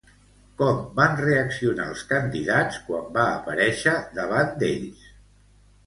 Com van reaccionar els candidats quan va aparèixer davant d'ells?